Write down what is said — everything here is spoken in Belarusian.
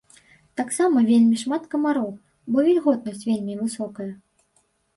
Таксама вельмі шмат камароў, бо вільготнасць вельмі высокая.